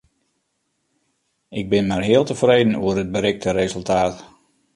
Ik bin mar heal tefreden oer it berikte resultaat.